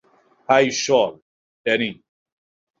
হায় ঈশ্বর, ড্যানি।